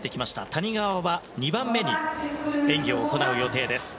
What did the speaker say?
谷川は２番目に演技を行う予定です。